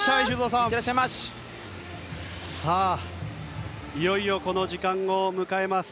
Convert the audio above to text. さあ、いよいよこの時間を迎えます。